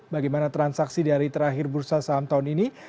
bagaimana transaksi dari terakhir bursa saham tahun ini